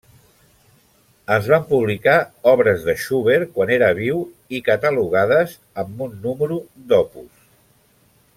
Es van publicar obres de Schubert quan era viu, i catalogades amb un número d'opus.